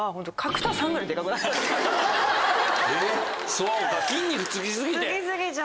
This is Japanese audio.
そうか筋肉つき過ぎて。